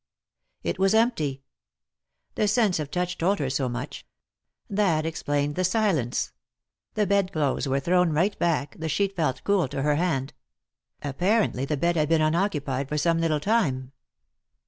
It was empty ; the sense of touch told her so much. That explained the silence. The bed clotbes were thrown right back, the sheet felt cool to her hand ; apparently the bed had been unoccupied for some little time.